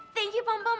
thank you pam pam